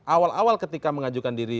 awal awal ketika mengajukan diri